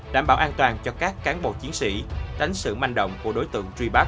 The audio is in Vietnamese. đảm bảo an toàn cho các cán bộ chiến sĩ đánh sự manh động của đối tượng truy bắt